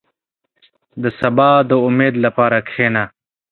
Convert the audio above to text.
• د سبا د امید لپاره کښېنه.